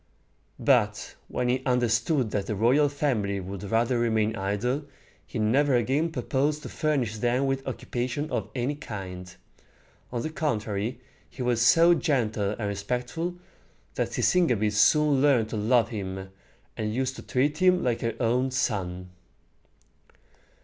But when he understood that the royal family would rather remain idle, he never again proposed to furnish them with occupation of any kind. On the contrary, he was so gentle and respectful, that Sisygambis soon learned to love him, and used to treat him like her own son.